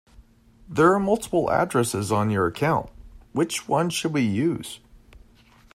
There are multiple addresses on your account, which one should we use?